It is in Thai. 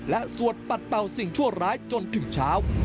และสวดปัดเป่าสิ่งชั่วร้ายจนถึงเช้า